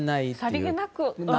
さりげなくは。